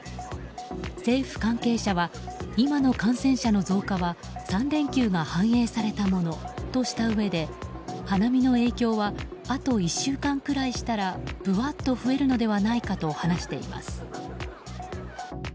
政府関係者は今の感染者の増加は３連休が反映されたものとしたうえで花見の影響はあと１週間くらいしたらブワーッと増えるのではないかと話しています。